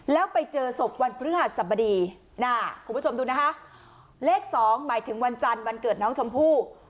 แล้วไปเจอศพวันพฤหัสบดีน่ะคุณผู้ชมดูนะคะเลขสองหมายถึงวันจันทร์วันเกิดน้องชมพู่